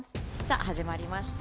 始まりました。